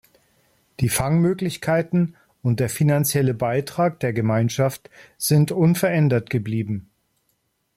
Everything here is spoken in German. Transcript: Die Fangmöglichkeiten und der finanzielle Beitrag der Gemeinschaft sind unverändert geblieben.